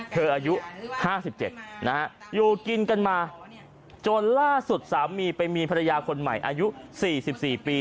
อายุ๕๗นะฮะอยู่กินกันมาจนล่าสุดสามีไปมีภรรยาคนใหม่อายุ๔๔ปี